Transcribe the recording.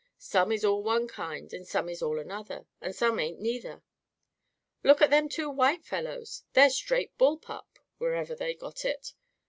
Some is all one kind and some is all another, and some ain't neither. Look at them two white fellows! They're straight bull pup. (Wherever they got it!)